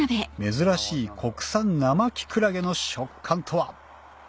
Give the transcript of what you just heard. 珍しい国産生きくらげの食感とは？